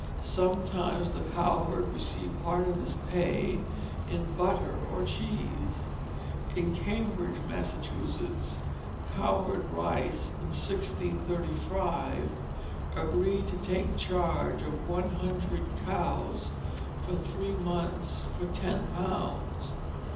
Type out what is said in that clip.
Sometimes the cowherd received part of his pay in butter or cheese. In Cambridge, Massachusetts, Cowherd Rice, in 1635, agreed to take charge of one hundred cows for three months for ten pounds.